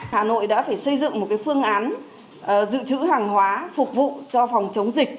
hà nội đã phải xây dựng một phương án dự trữ hàng hóa phục vụ cho phòng chống dịch